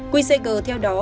quy sager theo đó